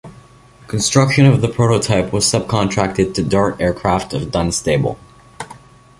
Construction of the prototype was subcontracted to Dart Aircraft of Dunstable.